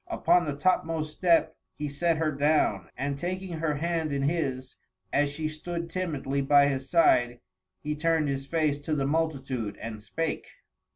Upon the topmost step he set her down, and taking her hand in his, as she stood timidly by his side, he turned his face to the multitude and spake.